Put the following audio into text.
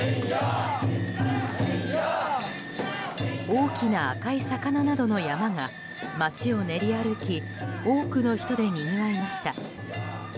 大きな赤い魚などの山が街を練り歩き多くの人でにぎわいました。